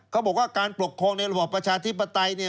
เขาบอกว่าการปกครองในระบอบประชาธิปไตยเนี่ย